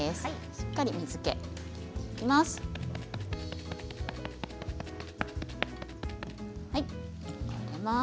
しっかり水けを取ります。